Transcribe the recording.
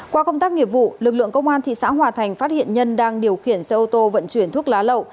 qua công tác nghiệp vụ lực lượng công an thị xã hòa thành phát hiện nhân đang điều khiển xe ô tô vận chuyển thuốc lá lậu